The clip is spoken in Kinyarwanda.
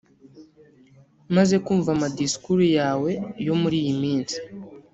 Maze kumva amadisikuru yawe yo muri iyi minsi